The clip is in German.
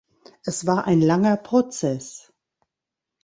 Es war ein langer Prozess.